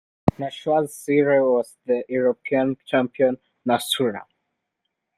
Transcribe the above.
Nashua's sire was the European champion Nasrullah.